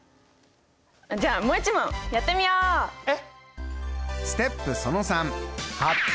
じゃあもう一問やってみよう！え！？